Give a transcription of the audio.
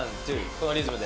このリズムで。